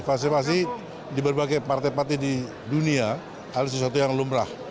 faksi faksi di berbagai partai partai di dunia adalah sesuatu yang lumrah